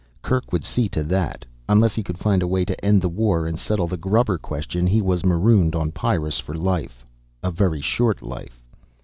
Kerk would see to that. Unless he could find a way to end the war and settle the grubber question he was marooned on Pyrrus for life. A very short life.